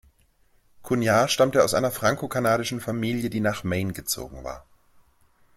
Chouinard stammt aus einer franko-kanadischen Familie, die nach Maine gezogen war.